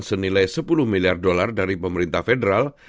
senilai sepuluh miliar dolar dari pemerintah federal